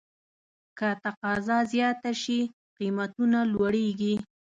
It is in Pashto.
که تقاضا زیاته شي، قیمتونه لوړېږي.